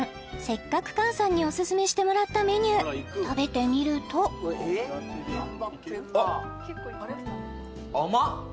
せっかく菅さんにオススメしてもらったメニュー食べてみるとあっあれっ？